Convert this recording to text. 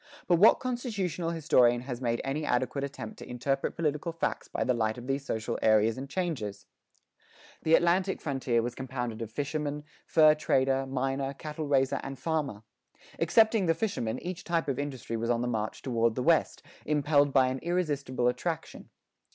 But what constitutional historian has made any adequate attempt to interpret political facts by the light of these social areas and changes?[12:1] The Atlantic frontier was compounded of fisherman, fur trader, miner, cattle raiser, and farmer. Excepting the fisherman, each type of industry was on the march toward the West, impelled by an irresistible attraction.